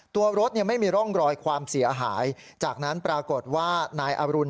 ตัวรถไม่มีร่องรอยความเสียหายจากนั้นปรากฏว่านายอรุณ